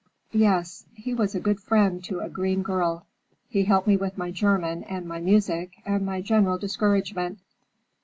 "Yes. He was a good friend to a green girl. He helped me with my German and my music and my general discouragement.